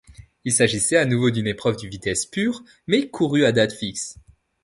Il s’agissait à nouveau d’une épreuve de vitesse pure, mais courue à date fixe.